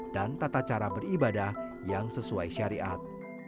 dan tata cara beribadah yang sesuai syariat